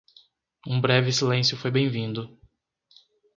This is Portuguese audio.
Um breve silêncio foi bem-vindo.